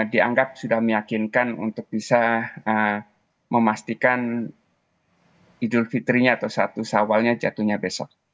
dianggap sudah meyakinkan untuk bisa memastikan idul fitrinya atau satu sawalnya jatuhnya besok